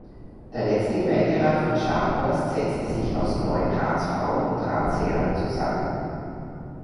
Der letzte Gemeinderat von Scharnhorst setzte sich aus neun Ratsfrauen und Ratsherren zusammen.